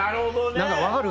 何か分かる？